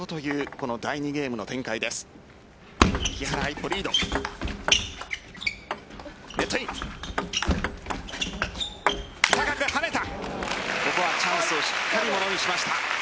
ここはチャンスをしっかりものにしました。